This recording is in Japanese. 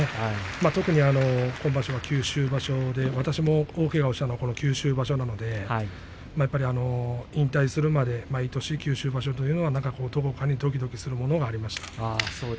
特に今場所は九州場所で私も大けがをしたのは九州場所なので引退するまで毎年、九州場所はどこかにどきどきするものがありました。